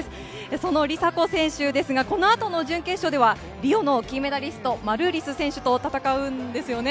その梨紗子選手ですが、このあとの準決勝では、リオの金メダリスト、マルーリス選手と戦うんですよね。